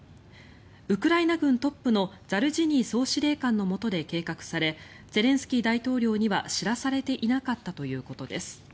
ウクライナ軍トップのザルジニー総司令官のもとで計画されゼレンスキー大統領には知らされていなかったということです。